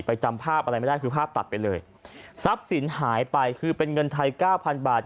จำภาพอะไรไม่ได้คือภาพตัดไปเลยทรัพย์สินหายไปคือเป็นเงินไทยเก้าพันบาท